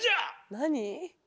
なに？